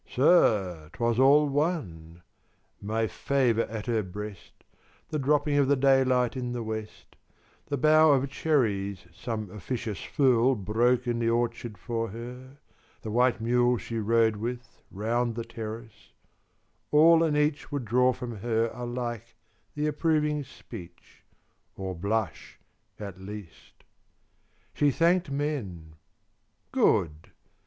Sir, 'twas all one! My favour at her breast, The dropping of the daylight in the West, The bough of cherries some officious fool Broke in the orchard for her, the white mule She rode with round the terrace all and each Would draw from her alike the approving speech, 30 Or blush, at least. She thanked men good!